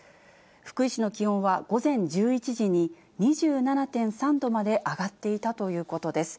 福井市の気温は午前１１時に２７．３度まで上がっていたということです。